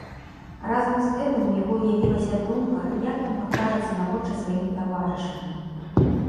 Разам з гэтым у яго явілася думка, як ён пакажацца на вочы сваім таварышам.